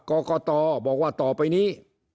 กรกตบอกว่าต่อไปนี้